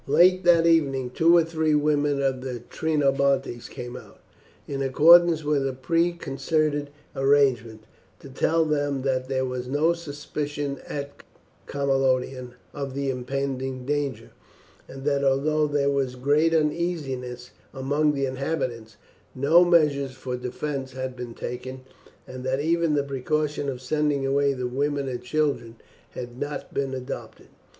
Late that evening two or three women of the Trinobantes came out, in accordance with a preconcerted arrangement, to tell them that there was no suspicion at Camalodunum of the impending danger; and that, although there was great uneasiness among the inhabitants, no measures for defence had been taken, and that even the precaution of sending away the women and children had not been adopted.